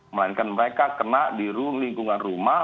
melainkan mereka kena di lingkungan rumah